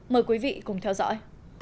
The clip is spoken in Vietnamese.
mời quý vị cùng theo dõi